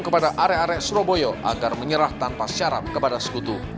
kepada area area surabaya agar menyerah tanpa syarap kepada sekutu